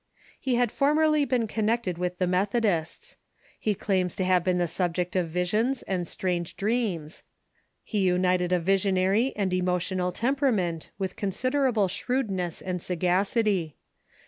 He had formerly been connected with the Methodists. He claims to have been the subject of visions and strange dreams. He united a visionary and emotional temperament with considerable shrewdness and sagacity.